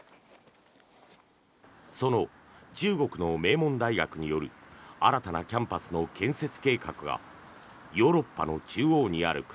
その中国の名門大学による新たなキャンパスの建設計画がヨーロッパの中央にある国